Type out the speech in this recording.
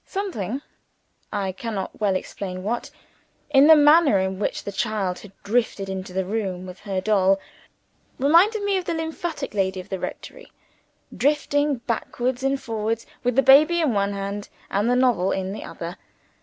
Something I cannot well explain what in the manner in which the child had drifted into the room with her doll, reminded me of the lymphatic lady of the rectory, drifting backwards and forwards with the baby in one hand and the novel in the other.